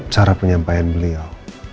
cara penyampaian beliau